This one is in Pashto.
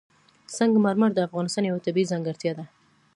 سنگ مرمر د افغانستان یوه طبیعي ځانګړتیا ده.